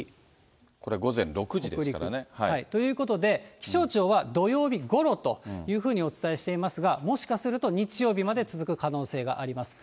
これ、ということで、気象庁は土曜日ごろというふうにお伝えしていますが、もしかすると日曜日まで続く可能性があります。